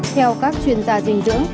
theo các chuyên gia dinh dưỡng